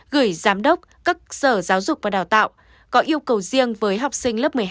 gửi giám đốc các sở giáo dục và đào tạo có yêu cầu riêng với học sinh lớp một mươi hai